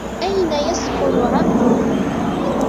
أين يسكن عمك؟